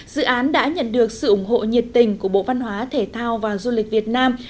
dự án đã nhận được sự ủng hộ nhiệt tình của bộ văn hóa thể thao và du lịch việt nam